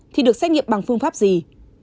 thì được xét nghiệm bằng phương pháp gì